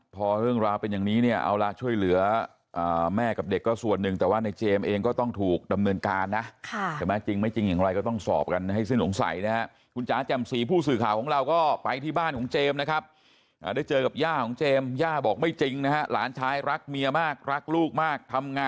เพราะยอมไม่ขึ้นจริงจะมาแจงมาขอเพราะยอมไม่ขึ้น